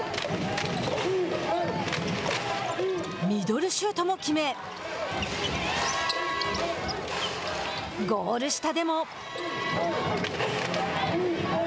ミドルシュートも決めゴール下でも。